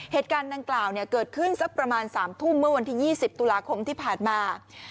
เหตุการณ์ดังกล่าวเกิดขึ้นสักประมาณ๓ทุ่มเมื่อวันที่๒๐ตุลาคมที่ผ่านมา